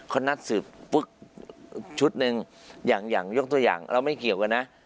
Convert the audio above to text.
เขานัดสืบชุดหนึ่งยกตัวอย่างเราไม่เกี่ยวกันนะ